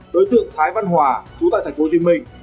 đối tượng thái văn hòa chú tại thành phố hồ chí minh